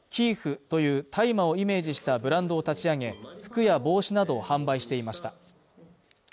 ２人はＫＩＥＦという大麻をイメージしたブランドを立ち上げ、服や帽子などを販売していました。